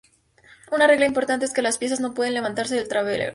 Una regla importante es que las piezas no pueden levantarse del tablero.